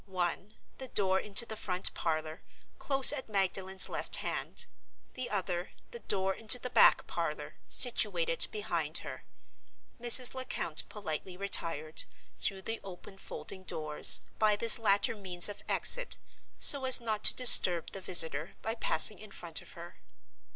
One, the door into the front parlor, close at Magdalen's left hand. The other, the door into the back parlor, situated behind her. Mrs. Lecount politely retired—through the open folding doors—by this latter means of exit, so as not to disturb the visitor by passing in front of her.